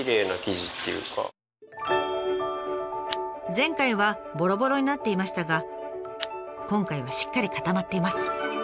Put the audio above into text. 前回はぼろぼろになっていましたが今回はしっかり固まっています。